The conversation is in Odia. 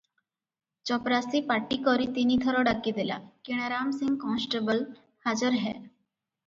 ଚପରାସୀ ପାଟିକରି ତିନିଥର ଡାକି ଦେଲା, "କିଣାରାମ ସିଂ କନେଷ୍ଟବଳ ହାଜର ହେ ।"